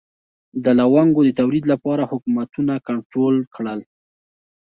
د لونګو د تولید لپاره حکومتونه کنټرول کړل.